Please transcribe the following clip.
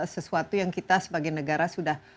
sesuatu yang kita sebagai negara sudah